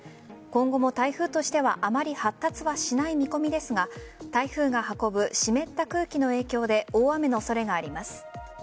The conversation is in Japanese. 今後も台風としてはあまり発達はしない見込みですが台風が運ぶ湿った空気の影響で大雨の恐れがあります。